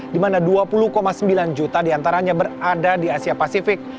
di mana dua puluh sembilan juta diantaranya berada di asia pasifik